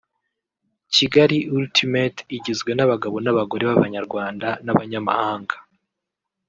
Kigali Ultimate igizwe n’abagabo n’abagore b’Abanyarwanda n’abanyamahanga